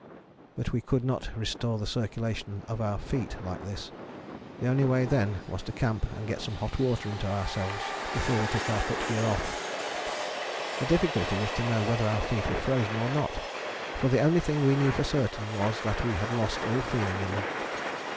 But we could not restore the circulation of our feet like this the only way then was to camp and get some hot water into ourselves before we took our foot gear off. The difficulty was to know whether our feet were frozen or not, for the only thing we knew for certain was that we had lost all feeling in them.